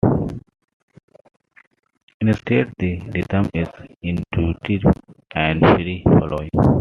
Instead, the rhythm is intuitive and free-flowing.